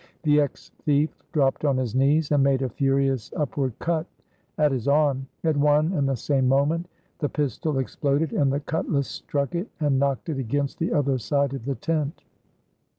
The ex thief dropped on his knees and made a furious upward cut at his arm. At one and the same moment the pistol exploded and the cutlass struck it and knocked it against the other side of the tent.